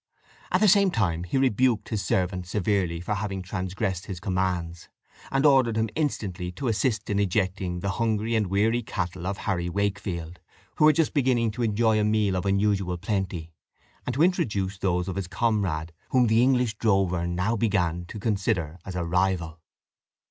At the same time he rebuked his servant severely for having transgressed his commands, and ordered him instantly to assist in ejecting the hungry and weary cattle of Harry Wakefield, which were just beginning to enjoy a meal of unusual plenty, and to introduce those of his comrade, whom the English drover now began to consider as a rival.